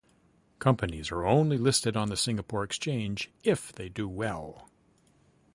Companies are only listed on the Singapore Exchange if they do well.